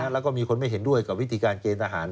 แล้วก็มีคนไม่เห็นด้วยกับวิธีการเกณฑ์ทหาร